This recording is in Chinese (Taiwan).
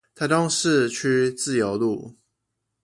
台中市區自由路